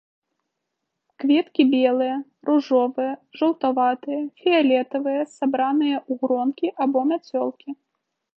Кветкі белыя, ружовыя, жаўтаватыя, фіялетавыя, сабраныя ў гронкі або мяцёлкі.